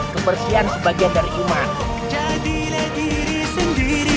kebersihan sebagian dari iman